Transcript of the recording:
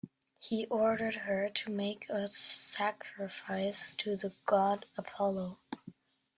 He ordered her to make a sacrifice to the god Apollo.